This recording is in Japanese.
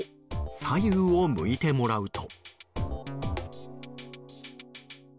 左右を向いてもらうと。